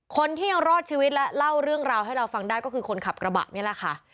คนที่ยังรอดชีวิตและเล่าเรื่องราวให้เราฟังได้ก็คือคนขับกระบะนี่แหละค่ะ